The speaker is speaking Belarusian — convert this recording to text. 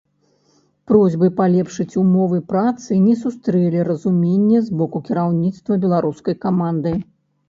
Просьбы палепшыць умовы працы не сустрэлі разумення з боку кіраўніцтва беларускай каманды.